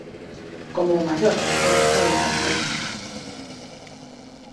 Como o Mallorca, que venceu en Pamplona.